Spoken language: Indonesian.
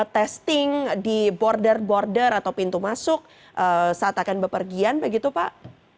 testing di border border atau pintu masuk saat akan bepergian begitu pak